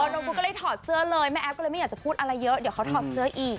น้องฟู้ก็เลยถอดเสื้อเลยแม่แอฟก็เลยไม่อยากจะพูดอะไรเยอะเดี๋ยวเขาถอดเสื้ออีก